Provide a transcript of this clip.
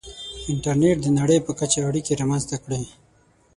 • انټرنېټ د نړۍ په کچه اړیکې رامنځته کړې.